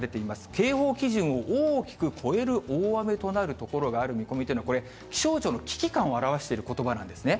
警報基準を大きく超える大雨となる所がある見込みというのは、これ、気象庁の危機感を表してることばなんですね。